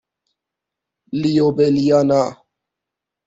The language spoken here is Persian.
لیوبلیانا